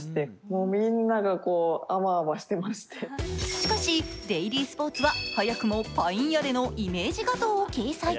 しかし「デイリースポーツ」は早くもパインアレのイメージ画像を掲載。